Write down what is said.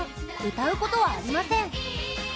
歌うことはありません。